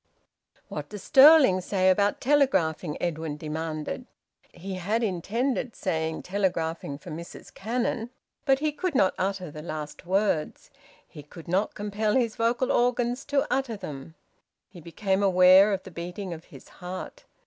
"What does Stirling say about telegraphing?" Edwin demanded. He had intended to say `telegraphing for Mrs Cannon,' but he could not utter the last words; he could not compel his vocal organs to utter them. He became aware of the beating of his heart.